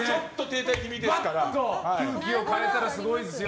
空気を変えたらすごいですよ。